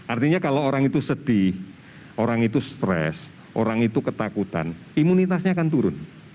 artinya kalau orang itu sedih orang itu stres orang itu ketakutan imunitasnya akan turun